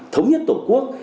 thống nhất tổ quốc